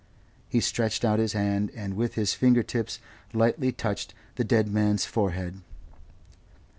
He stretched out his hand and with his finger tips lightly touched the dead man's forehead.